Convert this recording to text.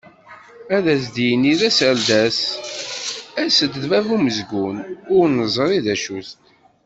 Ass ad d-yini d aserdas, ass d bab umezgun, ur neẓri d acu-t.